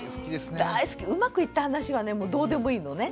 うまくいった話はねもうどうでもいいのね。